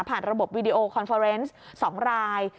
ระบบวีดีโอคอนเฟอร์เนส๒ราย